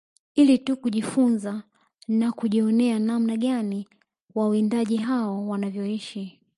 Ili tu kujifunza na kujionea namna gani wawindaji hao wanavyoishi